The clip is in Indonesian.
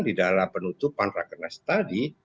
di dalam penutupan rakernas tadi